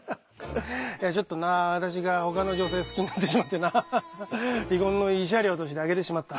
いやちょっとな私がほかの女性好きになってしまってな離婚の慰謝料としてあげてしまった。